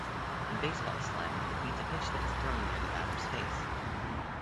In baseball slang, it means a pitch that is thrown near the batter's face.